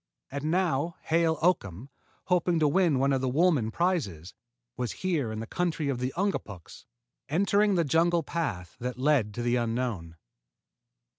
And now Hale Oakham, hoping to win one of the Woolman prizes, was here in the country of the Ungapuks, entering the jungle path that lead to the unknown.